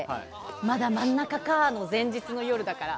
まだ真ん中かの前日の夜だから。